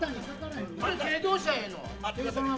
どうしたらええの。